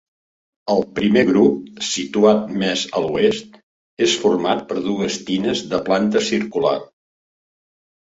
El primer grup, situat més a l'oest, és format per dues tines de planta circular.